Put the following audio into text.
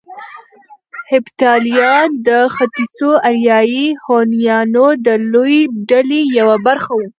هېپتاليان د ختيځو اریایي هونيانو د لويې ډلې يوه برخه وو